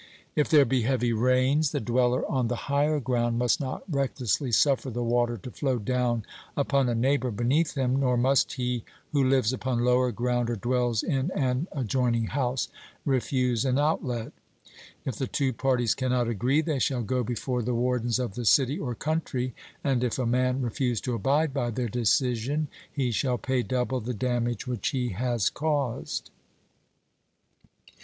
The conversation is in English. If there be heavy rains, the dweller on the higher ground must not recklessly suffer the water to flow down upon a neighbour beneath him, nor must he who lives upon lower ground or dwells in an adjoining house refuse an outlet. If the two parties cannot agree, they shall go before the wardens of the city or country, and if a man refuse to abide by their decision, he shall pay double the damage which he has caused.